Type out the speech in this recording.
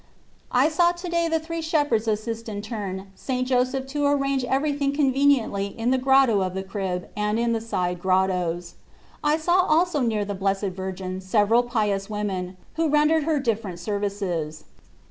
I saw to day the three shepherds assist in turn St. Joseph to arrange everything con veniently in the Grotto of the Crib and in the side grottos. I saw also near the Blessed Virgin several pious women, who rendered her different services.